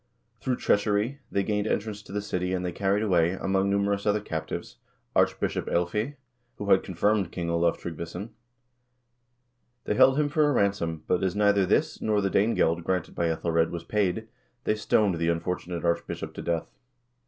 Through treachery they gained entrance to the city and they carried away, among numerous other captives, Archbishop iElfeah, who had con firmed King Olav Tryggvason. They held him for a ransom, but as neither this, nor the Danegeld granted by ^Ethelred, was paid, they stoned the unfortunate archbishop to death.